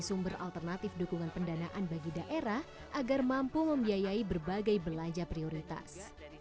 sumber alternatif dukungan pendanaan bagi daerah agar mampu membiayai berbagai belanja prioritas